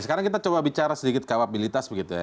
sekarang kita coba bicara sedikit kapabilitas begitu ya